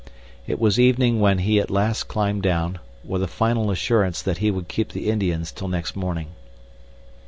It was evening when he at last climbed down, with a final assurance that he would keep the Indians till next morning.